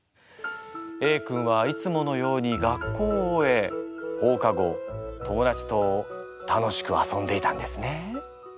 Ａ君はいつものように学校を終え放課後友だちと楽しく遊んでいたんですね。